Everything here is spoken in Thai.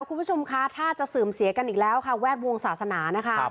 คุณผู้ชมคะถ้าจะเสื่อมเสียกันอีกแล้วค่ะแวดวงศาสนานะคะ